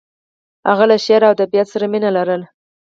هغه له شعر او ادبیاتو سره ډېره مینه لرله